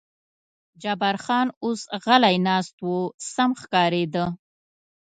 جبار خان اوس غلی ناست و، سم ښکارېده.